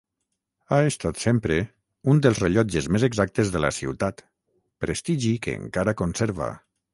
Ha estat sempre un dels rellotges més exactes de la ciutat, prestigi que encara conserva.